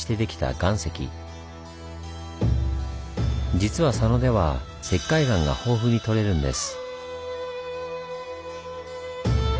実は佐野では石灰岩が豊富にとれるんです。